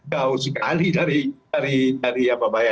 jauh sekali dari apa bayangan kita